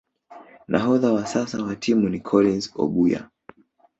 Nahodha wa sasa wa timu ni Collins Obuya